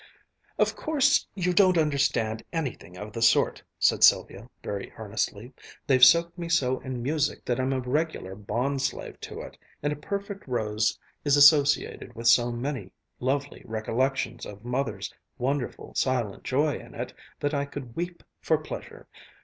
"Of course you don't understand anything of the sort," said Sylvia very earnestly. "They've soaked me so in music that I'm a regular bond slave to it. And a perfect rose is associated with so many lovely recollections of Mother's wonderful silent joy in it, that I could weep for pleasure.